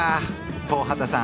東畑さん